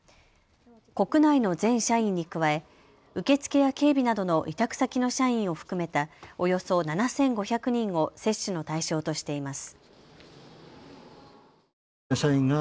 国内の全社員に加え受付や警備などの委託先の社員を含めたおよそ７５００人を接種の対象としています。